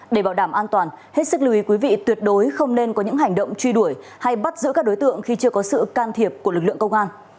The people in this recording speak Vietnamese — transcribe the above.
để bảo đảm an toàn hết sức lưu ý quý vị tuyệt đối không nên có những hành động truy đuổi hay bắt giữ các đối tượng khi chưa có sự can thiệp của lực lượng công an